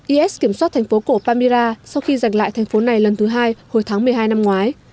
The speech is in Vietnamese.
is kiểm soát thành phố cổ pamira sau khi giành lại thành phố này lần thứ hai hồi tháng một mươi hai năm ngoái